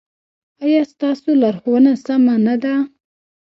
ایا ستاسو لارښوونه سمه نه ده؟